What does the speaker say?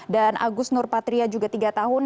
dan agus nurpatria juga tiga tahun